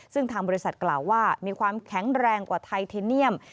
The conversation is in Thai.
ซึ่งทางบริษัทกล่าวว่ามีความแข็งแรงกว่าไทเทเนียม